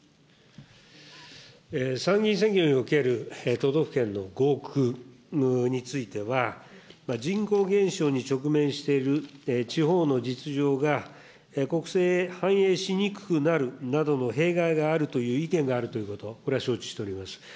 参議院選挙における都道府県の合区については、人口減少に直面している地方の実情が国政へ反映しにくくなる等の弊害があるという意見があるということ、これは承知しております。